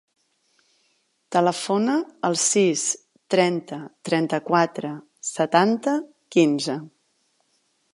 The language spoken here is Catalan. Telefona al sis, trenta, trenta-quatre, setanta, quinze.